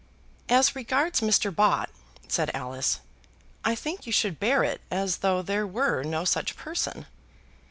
"As regards Mr. Bott," said Alice, "I think you should bear it as though there were no such person."